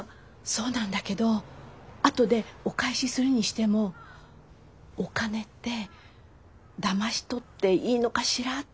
そうなんだけど後でお返しするにしてもお金ってだまし取っていいのかしらって。